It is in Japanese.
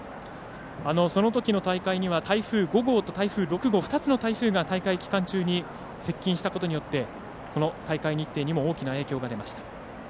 そのときの大会には台風５号台風６号と２つの台風が大会期間中に接近したことによってこの大会日程にも大きな影響が出ました。